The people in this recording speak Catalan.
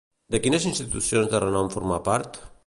De quines institucions de renom formà part?